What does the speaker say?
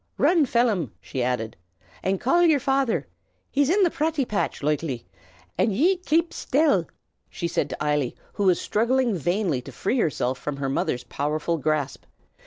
Run, Phelim," she added, "an' call yer father. He's in the praty patch, loikely. An' ye kape shtill!" she said to Eily, who was struggling vainly to free herself from her mother's powerful grasp.